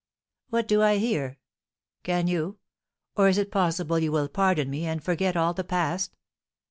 "What do I hear? Can you, oh, is it possible you will pardon me, and forget all the past?"